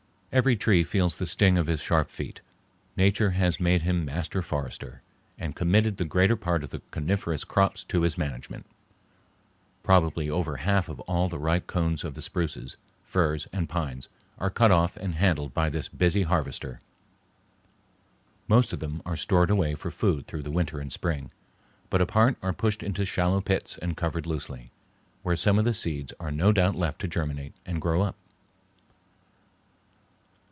Every tree feels the sting of his sharp feet. Nature has made him master forester, and committed the greater part of the coniferous crops to his management. Probably over half of all the ripe cones of the spruces, firs, and pines are cut off and handled by this busy harvester. Most of them are stored away for food through the winter and spring, but a part are pushed into shallow pits and covered loosely, where some of the seeds are no doubt left to germinate and grow up.